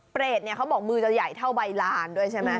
เขาบอกมือจะใหญ่เท่าใบลานด้วยใช่ไหม